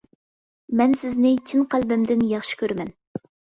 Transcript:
مەن سىزنى چىن قەلبىمدىن ياخشى كۆرىمەن.